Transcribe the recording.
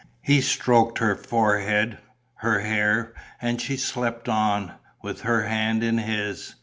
He stroked her forehead, her hair; and she slept on, with her hand in his.